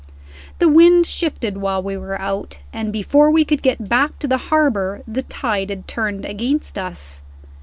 The wind shifted while we were out, and before we could get back to the harbor, the tide had turned against us.